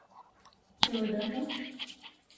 Иледа мо?